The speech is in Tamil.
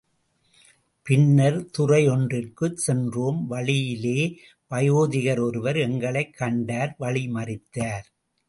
பின்னர் துறையொன்றிற்குச் சென்றோம் வழியிலே வயோதிகர் ஒருவர் எங்களைக் கண்டார் வழிமறித்தார்.